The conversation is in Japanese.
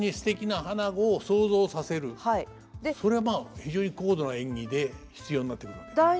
それはまあ非常に高度な演技で必要になってくるわけですね。